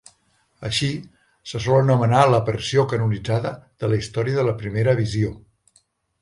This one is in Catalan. Així, se sol anomenar la "versió canonitzada" de la història de la Primera Visió.